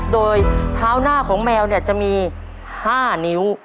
โดยเท้าหน้าของแมวจะมี๕นิ้ว